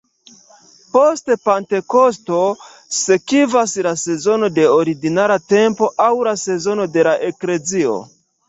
Post Pentekosto sekvas la sezono de "Ordinara tempo", aŭ la sezono de la Eklezio.